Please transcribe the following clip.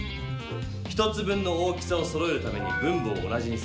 １つ分の大きさをそろえるために分母を同じにする。